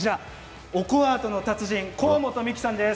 オコアートの達人河本未来さんです。